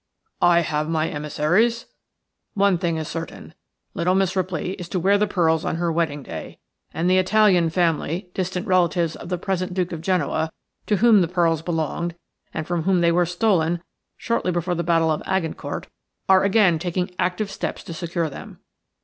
"I have my emissaries. One thing is certain – little Miss Ripley is to wear the pearls on her wedding day – and the Italian family, distant relatives of the present Duke of Genoa, to whom the pearls belonged, and from whom they were stolen shortly before the Battle of Agincourt, are again taking active steps to secure them.